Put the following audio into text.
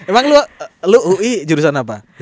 emang lu ui jurusan apa